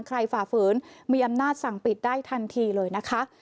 ฝ่าฝืนมีอำนาจสั่งปิดได้ทันทีเลยนะคะ